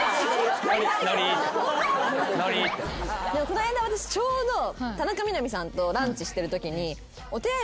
この間私ちょうど田中みな実さんとランチしてるときに。